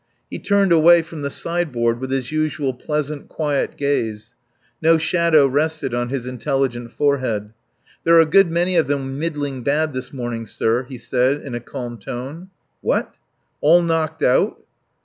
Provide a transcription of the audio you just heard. He turned away from the sideboard with his usual pleasant, quiet gaze. No shadow rested on his intelligent forehead. "There are a good many of them middling bad this morning, sir," he said in a calm tone. "What? All knocked out?"